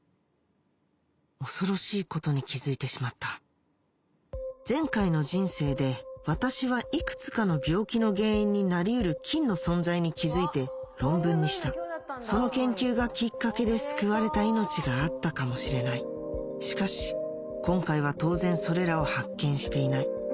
恐ろしいことに気付いてしまった前回の人生で私はいくつかの病気の原因になり得る菌の存在に気付いて論文にしたその研究がきっかけで救われた命があったかもしれないしかし今回は当然それらを発見していない